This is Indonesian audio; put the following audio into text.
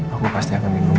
aku pasti akan ingin berhenti